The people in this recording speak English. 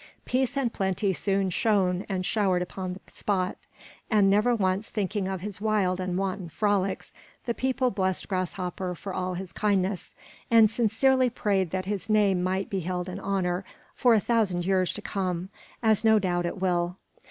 Peace and plenty soon shone and showered upon the spot; and never once thinking of his wild and wanton frolics, the people blessed Grasshopper for all his kindness, and sincerely prayed that his name might be held in honor for a thousand years to come, as no doubt it will.